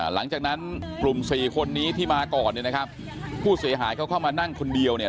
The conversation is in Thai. หลังจากนั้นกลุ่มสี่คนนี้ที่มาก่อนเนี่ยนะครับผู้เสียหายเขาเข้ามานั่งคนเดียวเนี่ย